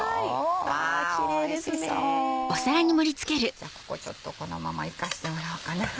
じゃあここちょっとこのままいかせてもらおうかな。